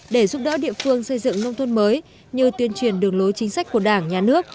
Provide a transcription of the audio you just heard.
để giúp đỡ địa phương xây dựng nông thôn mới như tuyên truyền đường lối chính sách của đảng nhà nước